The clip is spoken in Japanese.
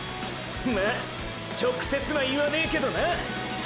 まァ直接は言わねェけどな！！